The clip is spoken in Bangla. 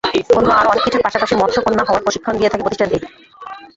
অন্য আরও অনেক কিছুর পাশাপাশি মৎস্যকন্যা হওয়ার প্রশিক্ষণ দিয়ে থাকে প্রতিষ্ঠানটি।